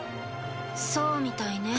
そうみたいね。